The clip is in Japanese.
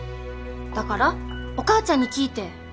だからお母ちゃんに聞いて。